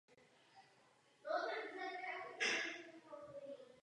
Výhled z Palackého vrchu je značně omezen okolním porostem.